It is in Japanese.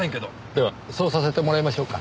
ではそうさせてもらいましょうか。